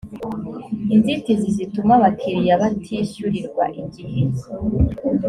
inzitizi zituma abakiliya batishyurirwa igihe